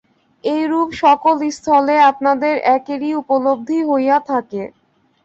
এইরূপ সকল স্থলে আপনাদের একেরই উপলব্ধি হইয়া থাকে।